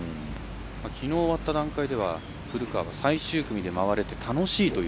きのう、終わった段階では古川は最終組で回れて楽しいという。